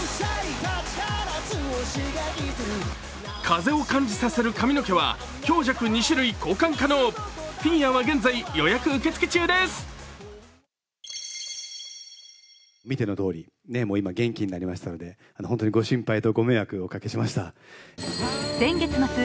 風を感じさせる髪の毛は強弱２種類交換可能、フィギュアは現在予約受け付け中です。